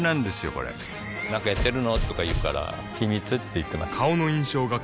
これなんかやってるの？とか言うから秘密って言ってます